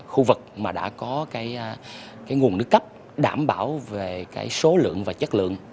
khu vực mà đã có cái nguồn nước cấp đảm bảo về cái số lượng và chất lượng